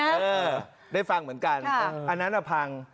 เอาไว้เรียบแห้งได้ฟังค่ะอันนั้นจะพัง